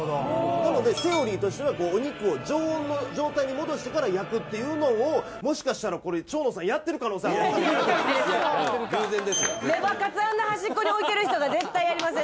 なのでセオリーとしてはお肉を常温の状態に戻してから焼くっていうのをもしかしたらこれ蝶野さんやってる可能性あるレバカツあんな端っこに置いてる人が絶対やりません